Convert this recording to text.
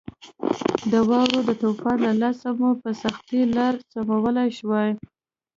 د واورې د طوفان له لاسه مو په سختۍ لار سمولای شوای.